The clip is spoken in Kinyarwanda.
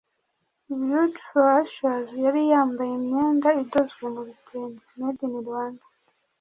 Beauty For Ashes yari yambaye imyenda idozwe mu bitenge (Made in Rwanda)